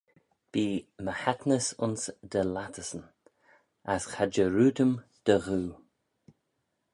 Bee my haitnys ayns dty lattyssyn: as cha jarrood-ym dty ghoo.